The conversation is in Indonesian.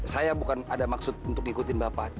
saya bukan ada maksud untuk ngikutin bapak